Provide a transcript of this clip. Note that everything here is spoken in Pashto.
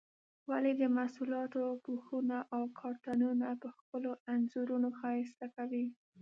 ولې د محصولاتو پوښونه او کارتنونه په ښکلو انځورونو ښایسته کوي؟